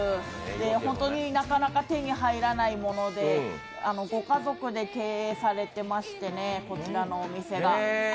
ホントに、なかなか手に入らないものでご家族で経営されてましてしね、こちらのお店が。